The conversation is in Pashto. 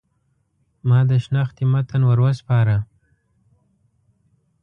ما د شنختې متن ور وسپاره.